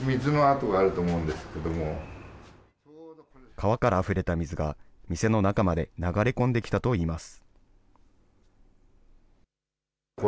川からあふれた水が店の中まで流れ込んできたといいます。